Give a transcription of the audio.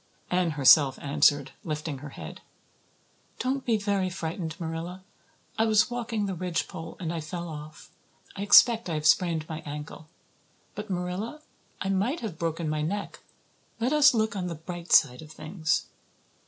Anne herself answered, lifting her head. "Don't be very frightened, Marilla. I was walking the ridgepole and I fell off. I expect I have sprained my ankle. But, Marilla, I might have broken my neck. Let us look on the bright side of things."